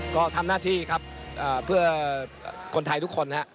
ก็ทำหน้าที่ครับเพื่อคนไทยทุกคนนะครับ